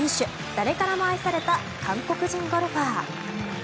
誰からも愛された韓国人ゴルファー。